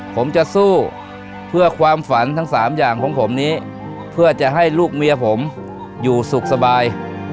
ผมจะสู้เพื่อความฝันทั้งสามอย่างของผมนี้เพื่อจะให้ลูกเมียผมอยู่สุขสบาย